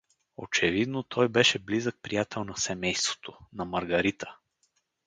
Очевидно, той беше близък приятел на семейството, на Маргарита.